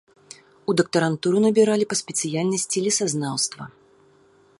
У дактарантуру набіралі па спецыяльнасці лесазнаўства.